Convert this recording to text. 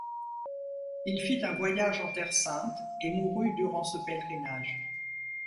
Il fit un voyage en Terre sainte et mourut durant ce pèlerinage.